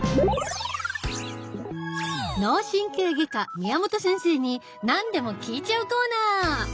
脳神経外科宮本先生に何でも聞いちゃうコーナー！